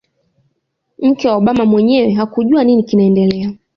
mke wa Obama mwenyewe hakujua nini kinaendelea